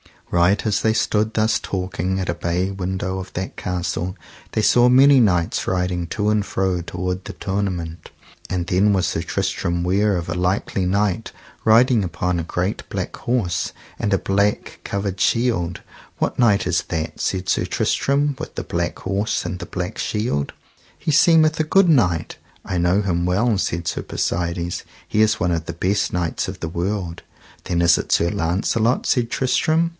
Right as they stood thus talking at a bay window of that castle, they saw many knights riding to and fro toward the tournament. And then was Sir Tristram ware of a likely knight riding upon a great black horse, and a black covered shield. What knight is that, said Sir Tristram, with the black horse and the black shield? he seemeth a good knight. I know him well, said Sir Persides, he is one of the best knights of the world. Then is it Sir Launcelot, said Tristram.